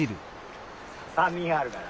酸味があるから。